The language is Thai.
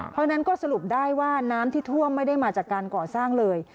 เพราะฉะนั้นก็สรุปได้ว่าน้ำที่ท่วมไม่ได้มาจากการก่อสร้างเลย